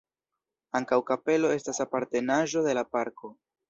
Ankaŭ kapelo estas apartenaĵo de la parko.